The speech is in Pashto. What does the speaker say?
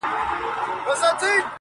خو ژوند حتمي ستا له وجوده ملغلري غواړي